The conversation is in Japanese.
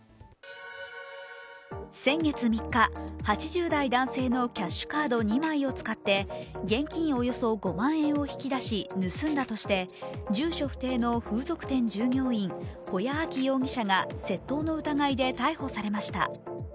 先月３日、８０代男性のキャッシュカード２枚を使って現金およそ５万円を引き出し盗んだとして住所不定の風俗店従業員、古屋亜希容疑者が窃盗の疑いで逮捕されました。